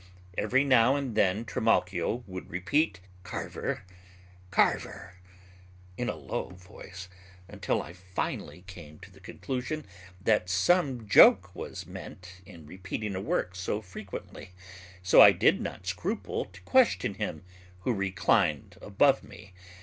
Every now and then Trimalchio would repeat "Carver, Carver," in a low voice, until I finally came to the conclusion that some joke was meant in repeating a word so frequently, so I did not scruple to question him who reclined above me.